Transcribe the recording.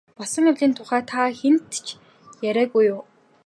Болсон явдлын тухай та хэнд ч яриагүй юу?